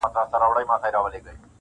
له هغه چي وو له موره زېږېدلی -